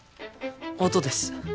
音です